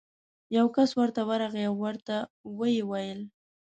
یو کس ورته ورغی او ورته ویې ویل: